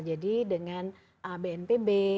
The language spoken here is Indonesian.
jadi dengan bnpb